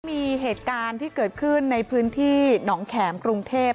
มีเหตุการณ์ที่เกิดขึ้นในพื้นที่หนองแข็มกรุงเทพ